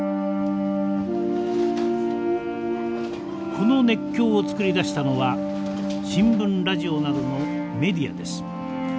この熱狂を作り出したのは新聞ラジオなどのメディアです。